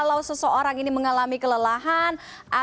jadi kita ingin berlagak kepada anda